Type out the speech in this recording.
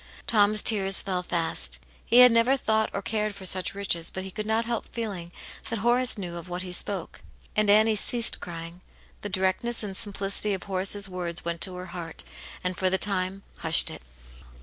Tom's tears fell fast ; he had never thought or cared for such riches, but he could not help feeling that Horace knew of what he spoke. And Annie ceased crying ; the directness and simplicity of Horace's words went to her heart, and, for the time, hushed it.